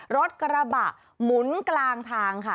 รถกระบะหมุนกลางทางค่ะ